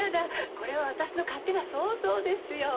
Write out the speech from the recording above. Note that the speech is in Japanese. これは私の勝手な想像ですよ。